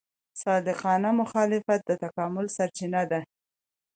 صادقانه مخالفت د تکامل سرچینه ده.